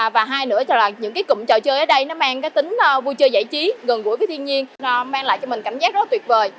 và hai nữa là những cái cụm trò chơi ở đây nó mang cái tính vui chơi giải trí gần gũi với thiên nhiên nó mang lại cho mình cảm giác rất tuyệt vời